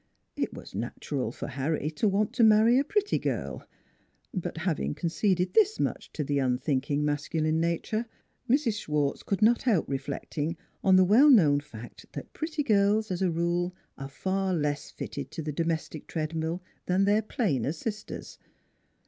It was natural for Harry to want to marry a pretty girl; but having conceded this much to the unthinking masculine nature, Mrs. Schwartz could not help reflecting on the well known fact that pretty girls, as a rule, are far less fitted to the domestic treadmill than their plainer sisters.